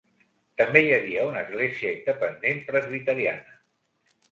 També hi havia una església independent presbiteriana.